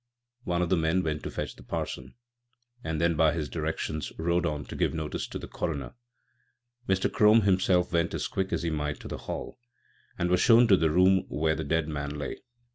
One of the men went to fetch the parson, and then by his directions rode on to give notice to the coroner. Mr. Crome himself went as quick as he might to the Hall, and was shown to the room where the dead man lay.